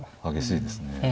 激しいですね。